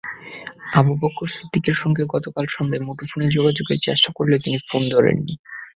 আবু বকর সিদ্দিকের সঙ্গে গতকাল সন্ধ্যায় মুঠোফোনে যোগাযোগের চেষ্টা করলেও তিনি ফোন ধরেননি।